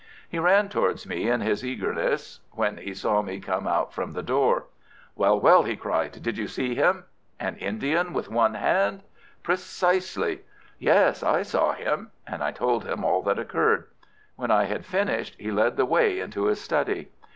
He ran towards me in his eagerness when he saw me come out from the door. "Well, well!" he cried. "Did you see him?" "An Indian with one hand?" "Precisely." "Yes, I saw him"—and I told him all that occurred. When I had finished, he led the way into his study.